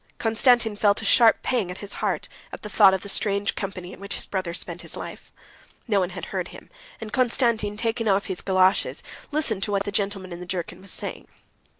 Konstantin felt a sharp pang at his heart at the thought of the strange company in which his brother spent his life. No one had heard him, and Konstantin, taking off his galoshes, listened to what the gentleman in the jerkin was saying.